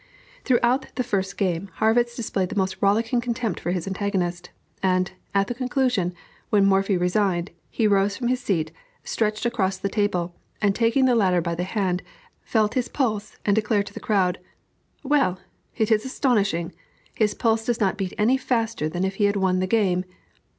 Throughout the first game, Harrwitz displayed the most rollicking contempt for his antagonist, and, at the conclusion, when Morphy resigned, he rose from his seat, stretched across the table, and taking the latter by the hand, he felt his pulse and declared to the crowd "Well, it is astonishing! His pulse does not beat any faster than if he had won the game."